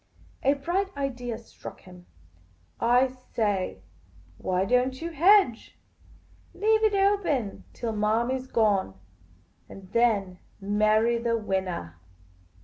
A bright idea struck him. "I say — why don't you hedge? Leave it open till Manny 's gone, and then marry the winnah